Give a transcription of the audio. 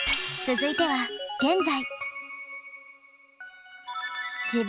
続いては現在。